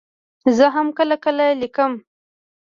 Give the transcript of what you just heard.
زه هم کله کله لیکم.